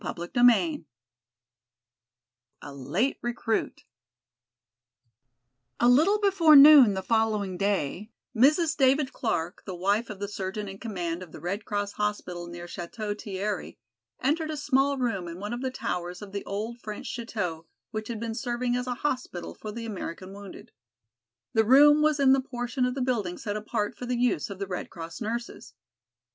CHAPTER II A Late Recruit A LITTLE before noon the following day, Mrs. David Clark, the wife of the surgeon in command of the Red Cross hospital near Château Thierry, entered a small room in one of the towers of the old French château, which had been serving as a hospital for the American wounded. The room was in the portion of the building set apart for the use of the Red Cross nurses.